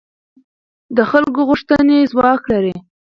د خلکو غوښتنې ځواک لري